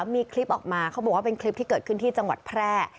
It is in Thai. มีคลิปออกมาเขาบอกว่าเป็นคลิปที่เกิดขึ้นที่จังหวัดแพร่